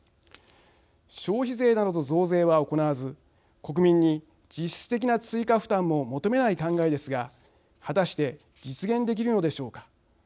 消費税などの増税は行わず国民に実質的な追加負担も求めない考えですが果たして実現できるのでしょうか。